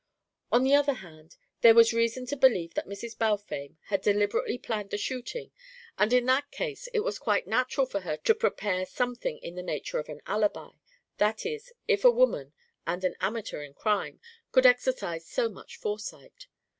On the other hand, there was reason to believe that Mrs. Balfame had deliberately planned the shooting and in that case it was quite natural for her to prepare something in the nature of an alibi that is, if a woman, and an amateur in crime, could exercise so much foresight.